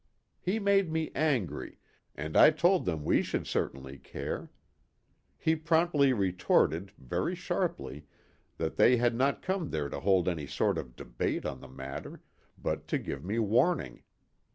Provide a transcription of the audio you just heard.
He made me angry, and I told them we should certainly care. He promptly retorted, very sharply, that they had not come there to hold any sort of debate on the matter, but to give me warning.